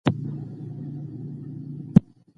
آیا نړیوال معیارونه په پام کي نیول شوي دي؟